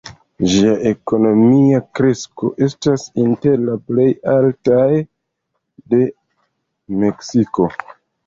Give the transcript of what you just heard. Ĝia ekonomia kresko estas inter la plej altaj de Meksiko.